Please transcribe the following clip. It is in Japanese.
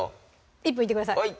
１分いってください